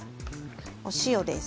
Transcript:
お塩です。